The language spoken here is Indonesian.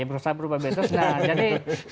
ya berusaha berbuat baik terus nah jadi